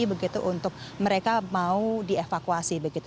jadi begitu untuk mereka mau dievakuasi begitu